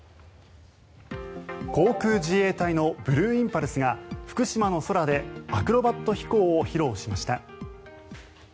航空自衛隊のブルーインパルスが福島の空でアクロバット飛行を披露しました。